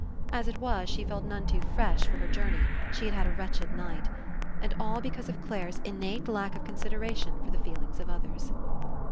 As it was, she felt none too fresh for her jour ney; she had had a wretched night. And all be cause of Clare's innate lack of consideration for the feelings of others.